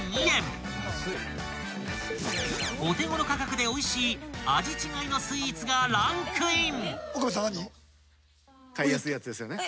［お手頃価格でおいしい味違いのスイーツがランクイン］